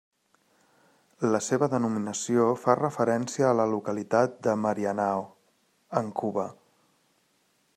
La seva denominació fa referència a la localitat de Marianao, en Cuba.